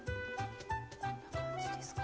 こんな感じですか？